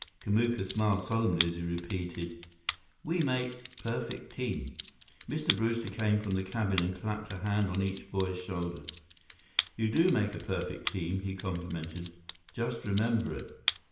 Kamuka smiled solemnly as he repeated: "We make—perfect team." Mr. Brewster came from the cabin and clapped a hand on each boy's shoulder. "You do make a perfect team," he complimented. "Just remember it."